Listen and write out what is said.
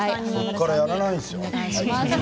そこから、やらないですよ。